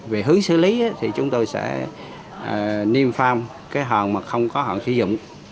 về hướng xử lý thì chúng tôi sẽ niêm phạm cái hòn mà không có hòn sử dụng